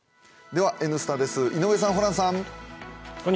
では「Ｎスタ」です井上さん、ホランさん。